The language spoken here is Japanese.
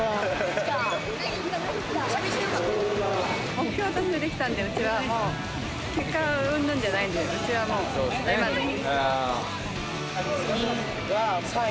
目標は達成できたのでうちはもう結果うんぬんじゃないんでうちはもう大満足です。